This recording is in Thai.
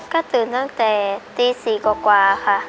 ก็ตื่นตั้งแต่ตี๔กว่าค่ะ